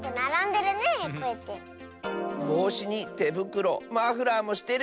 ぼうしにてぶくろマフラーもしてる！